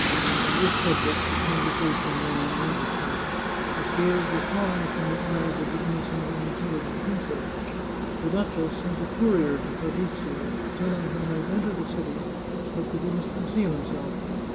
On this subject the conversation ran on endlessly. The scales were falling from the eyes of the innocent and intel ligent princess. The duchess sent a courier to Fabrizio, to tell him he might enter the city, but that he must conceal himself.